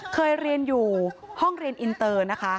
เคยเรียนอยู่ห้องเรียนอินเตอร์นะคะ